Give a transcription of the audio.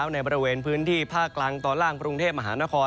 ในบริเวณพื้นที่ภาคกลางตอนล่างกรุงเทพมหานคร